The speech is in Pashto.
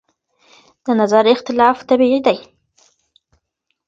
د نظر اختلاف طبیعي دی.